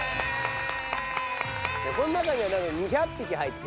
この中には２００ぴき入ってる。